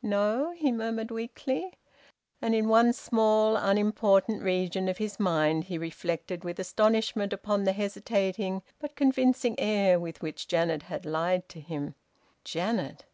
"No?" he murmured weakly. And in one small unimportant region of his mind he reflected with astonishment upon the hesitating but convincing air with which Janet had lied to him. Janet!